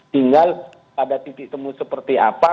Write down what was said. tinggal pada titik temu seperti apa